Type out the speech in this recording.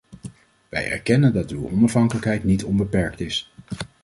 Wij erkennen dat uw onafhankelijkheid niet onbeperkt is.